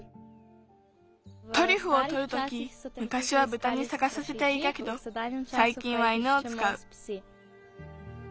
トリュフをとるときむかしはブタにさがさせていたけどさいきんは犬をつかう。